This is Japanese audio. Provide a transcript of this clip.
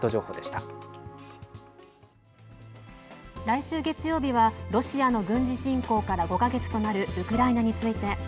来週月曜日はロシアの軍事侵攻から５か月となるウクライナについて。